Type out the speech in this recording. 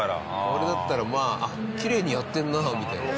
これだったらまあきれいにやってるなみたいな。